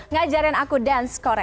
ngajarin aku dance kore